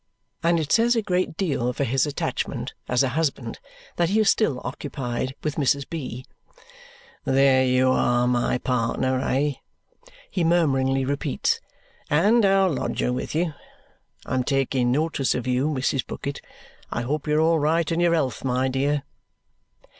And it says a great deal for his attachment, as a husband, that he is still occupied with Mrs. B. "There you are, my partner, eh?" he murmuringly repeats. "And our lodger with you. I'm taking notice of you, Mrs. Bucket; I hope you're all right in your health, my dear!"